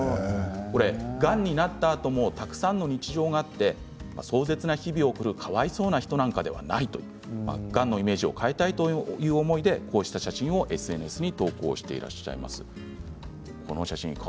これ、がんになったあともたくさんの日常があって壮絶な日々を送るかわいそうな人なんかではないとがんのイメージを変えたいという思いでこうした写真をＳＮＳに投稿していらっしゃいます。